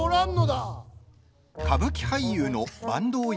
歌舞伎俳優の坂東